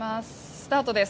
スタートです。